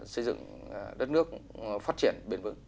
xây dựng đất nước phát triển bền vững